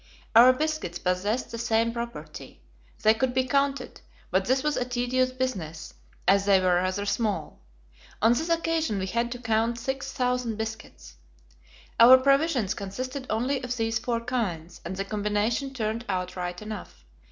Our biscuits possessed the same property they could be counted, but this was a tedious business, as they were rather small. On this occasion we had to count 6,000 biscuits. Our provisions consisted only of these four kinds, and the combination turned out right enough.